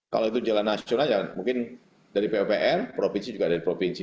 kalau itu jalan nasional mungkin dari pupr provinsi juga dari provinsi